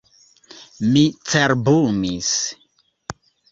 Mi cerbumis.